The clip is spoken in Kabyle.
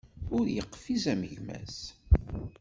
Ur yeqfiz am gma-s.